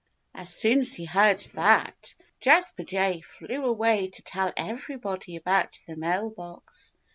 As soon as he heard that, Jasper Jay flew away to tell everybody about the mail box.